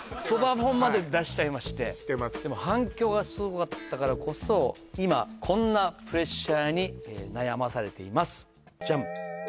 蕎麦本まで出しちゃいましてでも反響がすごかったからこそ今こんなプレッシャーに悩まされていますじゃん